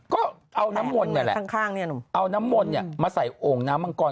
ก็เอาน้ำมนต์นั่นแหละเอาน้ำมนต์เนี่ยมาใส่โอ่งน้ำมังกร